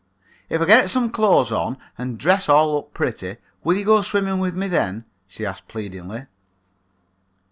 "'If I get some clothes on and dress all up pretty, will you go swimming with me then?' she asks pleadingly.